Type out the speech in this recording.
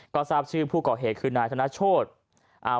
ก็ทราบชื่อผู้เก่าเหตุคือนายธนชฌฎ